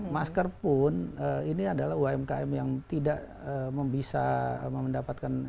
masker pun ini adalah umkm yang tidak bisa mendapatkan